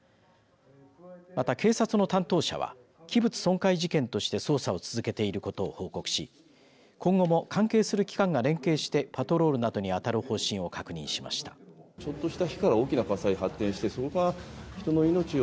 また、警察の担当者は器物損壊事件として捜査を続けていることを報告し今後も関係する機関が連携してパトロールなどにあたる方針を確認しました。